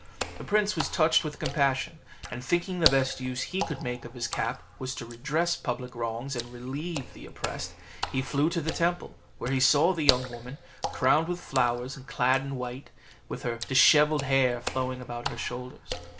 The prince was touched with compassion; and thinking the best use he could make of his cap was to redress public wrongs and relieve the oppressed, he flew to the temple, where he saw the young woman, crowned with flowers, clad in white, and with her dishevelled hair flowing about her shoulders.